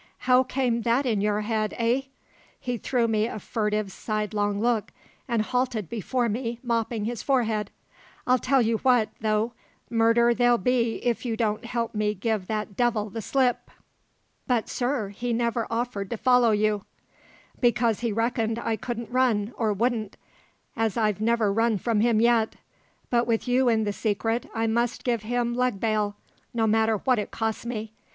"How came that in your head, eh?" He threw me a furtive sidelong look, and halted before me mopping his forehead. "I'll tell you what, though: Murder there'll be if you don't help me give that devil the slip." "But, sir, he never offered to follow you." "Because he reckoned I couldn' run or wouldn', as I've never run from him yet. But with you in the secret I must give him leg bail, no matter what it costs me.